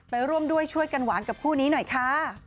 ร่วมด้วยช่วยกันหวานกับคู่นี้หน่อยค่ะ